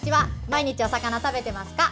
毎日お魚食べてますか。